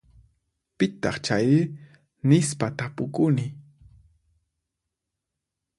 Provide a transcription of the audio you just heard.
Pitaq chayri? Nispa tapukuni.